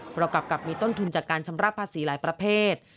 ประกอบกับมีต้นทุนจากการชำระภาษีหลายประเภท